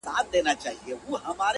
• او نه معنوي مرسته ورسره کړې ده ,